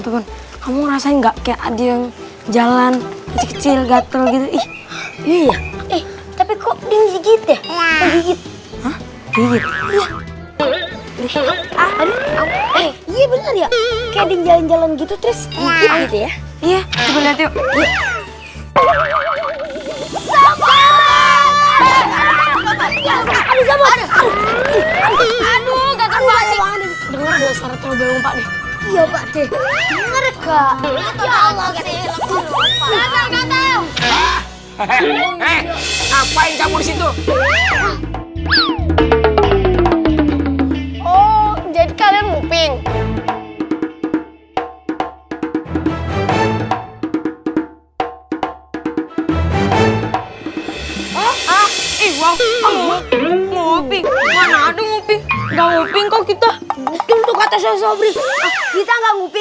kamu rasain nggak kayak ada yang jalan kecil gatel gitu ih ih ih tapi kok dingin gitu ya